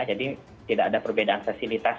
jadi tidak ada perbedaan fasilitas